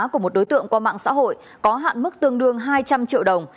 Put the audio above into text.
của một đối tượng qua mạng xã hội có hạn mức tương đương hai trăm linh triệu đồng